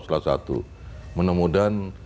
salah satu menemudan